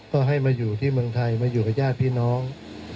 ก็ให้มาอยู่ที่เมืองไทยมาอยู่กับญาติพี่น้อง